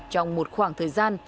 trong một khoảng thời gian